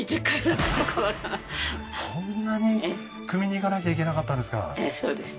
そんなにくみに行かなきゃいけなかったんですかええそうです